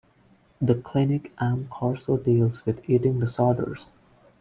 The Klinik am Korso deals with eating disorders.